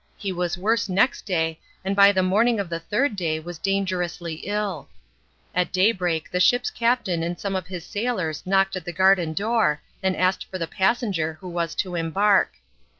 He was worse next day, and by the morning of the third day was dangerously ill. At daybreak the ship's captain and some of his sailors knocked at the garden door and asked for the passenger who was to embark.